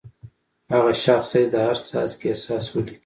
هغه شخص دې د هر څاڅکي احساس ولیکي.